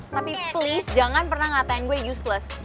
tapi please jangan pernah ngatain gue useless